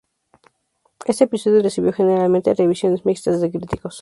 Este episodio recibió generalmente revisiones mixtas de críticos.